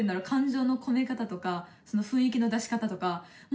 感情の込め方とか雰囲気の出し方とか